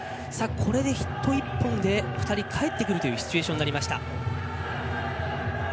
これでヒット１本で２人かえってくるというシチュエーションになりました。